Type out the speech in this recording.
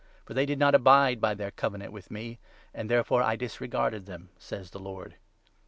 For they did not abide by their Covenant with me, And therefore I disregarded them," says the Lord.